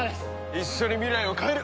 一緒に未来を変える！